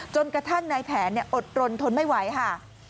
จนกระทั่งนายแผนอดรนทนไม่ไหวค่ะ